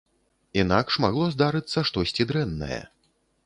Інакш магло здарыцца штосьці дрэннае.